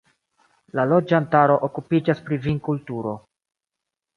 La loĝantaro okupiĝas pri vinkulturo.